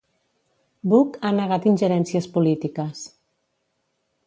Buch ha negat ingerències polítiques.